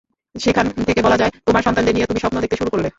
সেখান থেকে বলা যায় তোমার সন্তানদের নিয়ে তুমি স্বপ্ন দেখতে শুরু করলে।